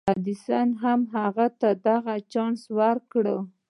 ايډېسن هم هغه ته دغه چانس ورکړ.